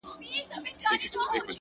صبر د لویو هیلو ساتونکی پاتې کېږي!.